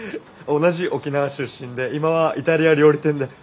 同じ沖縄出身で今はイタリア料理店で。